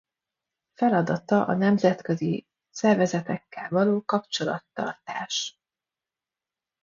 Feladata a nemzetközi szervezetekkel való kapcsolattartás.